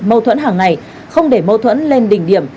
mâu thuẫn hàng ngày không để mâu thuẫn lên đỉnh điểm